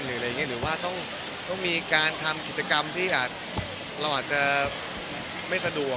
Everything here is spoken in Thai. หรือว่าต้องมีการทำกิจกรรมที่เราอาจจะไม่สะดวก